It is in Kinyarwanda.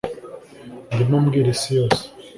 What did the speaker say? Ndimo mbwira Isi yose